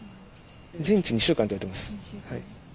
全治２週間と言われています。